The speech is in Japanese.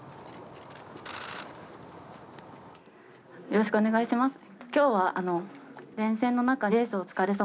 よろしくお願いします。